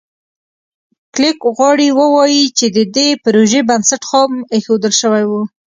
کلېک غواړي ووایي چې د دې پروژې بنسټ خام ایښودل شوی و.